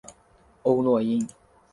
欧络因。